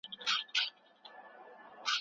هره ورځ یې عملي کول ګټور دي.